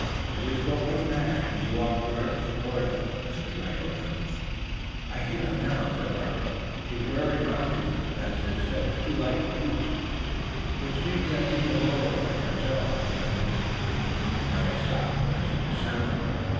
"It is but one man and he walks directly toward us," whispered Tayoga. "I hear him now," said Robert. "He is wearing moccasins, as his step is too light for boots." "Which means that he's a rover like ourselves," said Willet. "Now he's stopped. There isn't a sound.